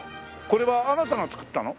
これはあなたが作ったの？